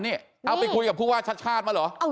นี่เอาไปคุยกับผู้ว่าชาติชาติมาเหรอ